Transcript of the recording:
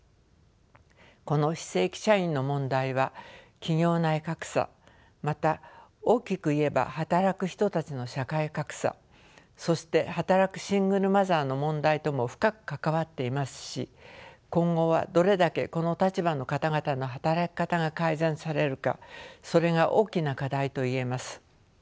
この非正規社員の問題は企業内格差また大きく言えば働く人たちの社会格差そして働くシングルマザーの問題とも深く関わっていますし今後はどれだけこの立場の方々の働き方が改善されるかそれが大きな課題と言えます。